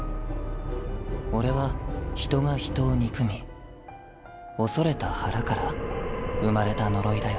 俺は人が人を憎み恐れた腹から産まれた呪いだよ。